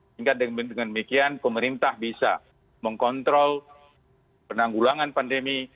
sehingga dengan demikian pemerintah bisa mengkontrol penanggulangan pandemi